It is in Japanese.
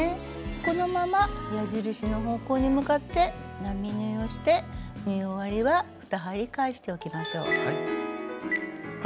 このまま矢印の方向に向かって並縫いをして縫い終わりは２針返しておきましょう。